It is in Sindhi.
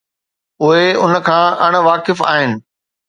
اهي ان کان اڻ واقف آهن.